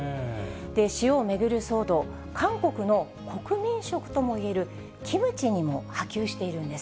塩を巡る騒動、韓国の国民食ともいえるキムチにも波及しているんです。